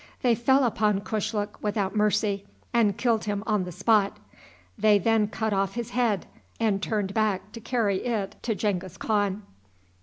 They fell upon Kushluk without mercy, and killed him on the spot. They then cut off his head, and turned back to carry it to Genghis Khan.